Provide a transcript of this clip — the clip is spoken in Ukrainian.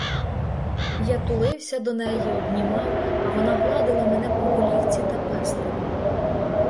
Я тулився до неї, обнімав, а вона гладила мене по голівці та пестила.